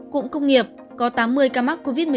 cụm công nghiệp có tám mươi ca mắc covid một mươi chín